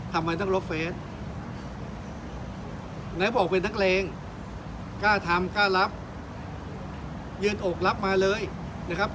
ทำไมต้องลบเฟสไหนบอกเป็นนักเลงกล้าทำกล้ารับยืนอกรับมาเลยนะครับ